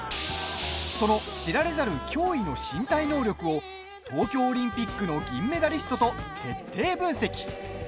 その知られざる驚異の身体能力を東京オリンピックの銀メダリストと徹底分析。